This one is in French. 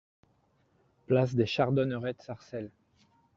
Place des Chardonnerrettes, Sarcelles